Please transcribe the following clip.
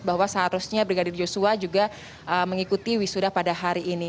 bahwa seharusnya brigadir joshua juga mengikuti wisuda pada hari ini